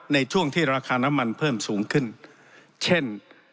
ในช่วงที่ราคาน้ำมันเพิ่มสูงขึ้นเช่น